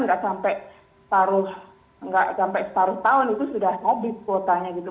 nggak sampai setaruh tahun itu sudah nobis kuotanya gitu